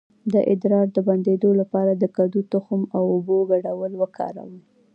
د ادرار د بندیدو لپاره د کدو د تخم او اوبو ګډول وکاروئ